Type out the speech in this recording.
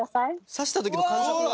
刺した時の感触が。